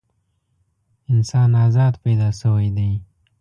انسان ازاد پیدا شوی دی.